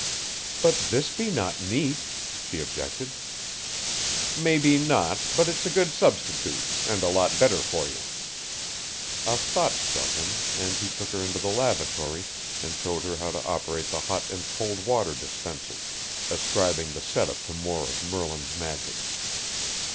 "But this be not meat," she objected. "Maybe not, but it's a good substitute, and a lot better for you." A thought struck him, and he took her into the lavatory and showed her how to operate the hot and cold water dispenser, ascribing the setup to more of Merlin's magic.